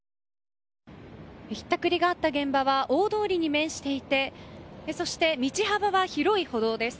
ひったくりがあった現場は大通りに面していてそして、道幅は広い歩道です。